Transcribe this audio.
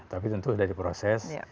tapi tentu sudah diproses